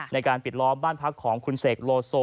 ในการปิดล้อมบ้านพักของคุณเสกโลโซ